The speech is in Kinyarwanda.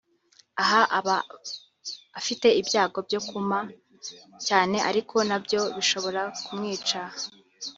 aha aba afite ibyago byo kuma cyane ari na byo bishobora kumwica